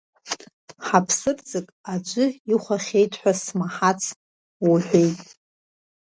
Ҳаԥсырӡык аӡәы ихәахьеит ҳәа смаҳац уҳәеит.